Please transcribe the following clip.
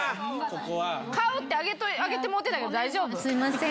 買うって上げてもうてたけど大丈夫？